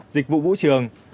dịch vụ vũ trường